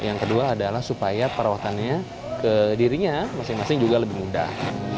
yang kedua adalah supaya perawatannya ke dirinya masing masing juga lebih mudah